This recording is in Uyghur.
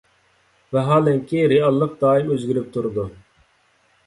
ۋاھالەنكى، رېئاللىق دائىم ئۆزگىرىپ تۇرىدۇ.